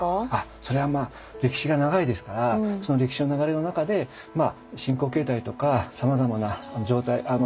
それはまあ歴史が長いですから歴史の流れの中で信仰形態とかさまざまな環境でですね